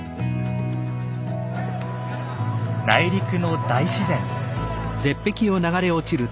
内陸の大自然。